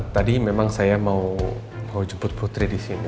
tadi memang saya mau jemput putri disini